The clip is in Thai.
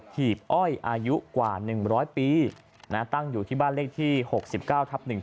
หีบอ้อยอายุกว่า๑๐๐ปีตั้งอยู่ที่บ้านเลขที่๖๙ทับ๑๙